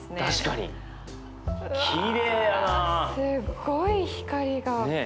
すっごい光が。